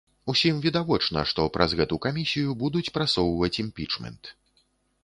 Усім відавочна, што праз гэту камісію будуць прасоўваць імпічмент.